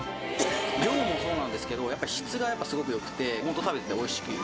量もそうなんですけど、やっぱ質がやっぱすごくよくて、本当食べてておいしい。